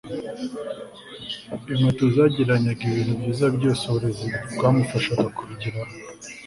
inkweto zagereranyaga ibintu byiza byose uburezi bwamufasha kubigeraho